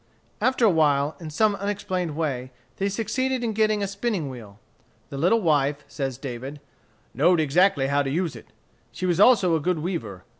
After a while, in some unexplained way, they succeeded in getting a spinning wheel. The little wife, says David, "knowed exactly how to use it. She was also a good weaver.